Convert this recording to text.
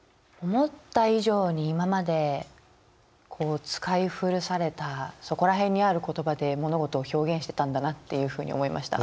思った以上に今まで使い古されたそこら辺にある言葉で物事を表現してたんだなっていうふうに思いました。